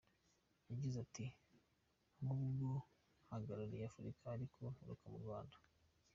Yagize ati “N'ubwo mpagarariye Afurika ariko nturuka mu Rwanda.